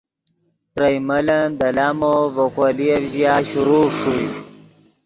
ترئے ملن دے لامو ڤے کولییف ژیا شروع ݰوئے۔